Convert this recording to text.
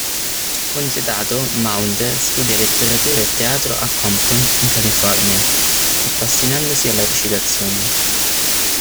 Congedato, Maunder studia letteratura e teatro a Compton, in California, appassionandosi alla recitazione.